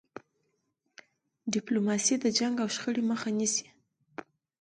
ډيپلوماسي د جنګ او شخړې مخه نیسي.